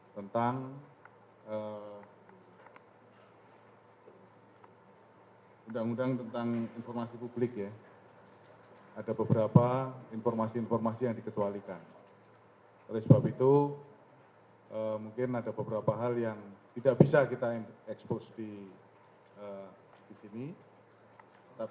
yang mulai seperti ini ini dan yang terbaru itu seperti sana